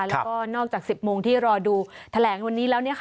แล้วก็นอกจาก๑๐โมงที่รอดูแถลงวันนี้แล้ว